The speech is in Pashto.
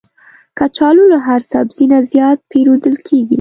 کچالو له هر سبزي نه زیات پېرودل کېږي